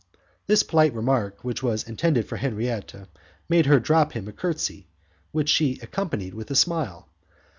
This polite remark, which was intended for Henriette, made her drop him a curtsy, which she accompanied with a smile.